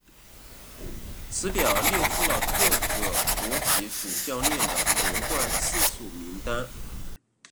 此表列出了各个国籍主教练的夺冠次数名单。